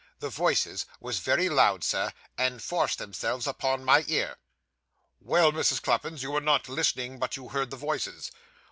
The voices was very loud, Sir, and forced themselves upon my ear.' 'Well, Mrs. Cluppins, you were not listening, but you heard the voices.